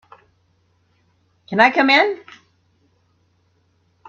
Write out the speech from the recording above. Can I come in?